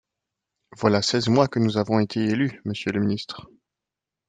Voilà seize mois que nous avons été élus, monsieur le ministre.